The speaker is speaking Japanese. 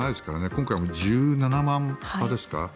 今回も１７万羽ですか。